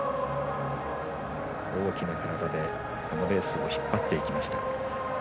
大きな体でこのレースを引っ張っていきました。